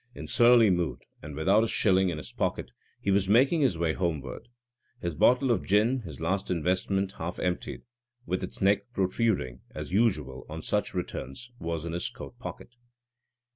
In surly mood, and without a shilling in his pocket, he was making his way homeward. His bottle of gin, his last investment, half emptied, with its neck protruding, as usual on such returns, was in his coat pocket.